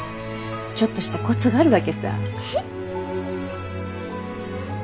ちょっとしたコツがあるわけさぁ。